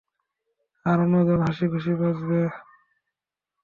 আর অন্যজন, হাসি খুশী বাঁচবে।